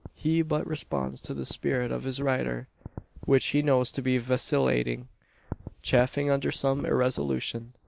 He but responds to the spirit of his rider; which he knows to be vacillating chafing under some irresolution.